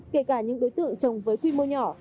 kể cả những đối tượng trồng với quy mô nhỏ